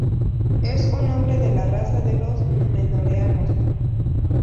Es un hombre de la raza de los númenóreanos.